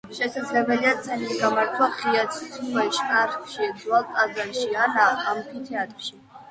შესაძლებელია სცენის გამართვა ღია ცის ქვეშ, პარკში, ძველ ტაძარში ან ამფითეატრში.